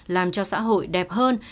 làm cho xã hội đẹp hơn